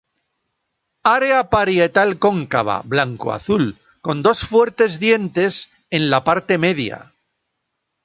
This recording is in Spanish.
Área parietal cóncava, blanco-azul, Con dos fuertes dientes en la parte media.